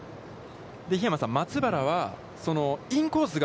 桧山さん、松原はインコースが。